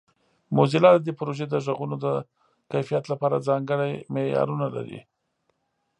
موزیلا د دې پروژې د غږونو د کیفیت لپاره ځانګړي معیارونه لري.